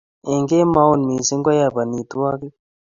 eng kemout mising koae banitwagik